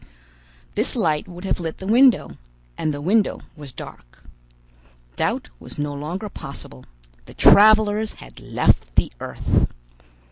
This light would have lit the window, and the window was dark. Doubt was no longer possible; the travelers had left the earth.